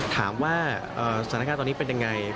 ถามว่าสถานการณ์ตอนนี้เป็นยังไง